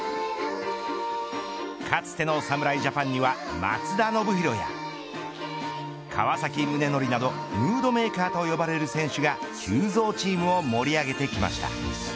かつての侍ジャパンには松田宣浩や川崎宗則などムードメーカーと呼ばれる選手が急造チームを盛り上げてきました。